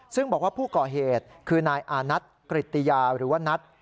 ซึ่งบอกว่าผู้ก่อเหตุคือนายอานัทกริตติยาหรือว่านัท